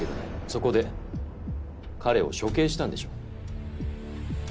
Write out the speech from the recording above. そこで彼を処刑したんでしょ？